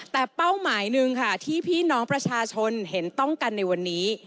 แต่เป้าหมายหนึ่งค่ะที่พี่น้องประชาชนเห็นต้องกันในวันนี้